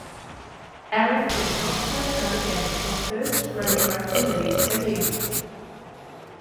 Allan would not play another game of first grade rugby league again.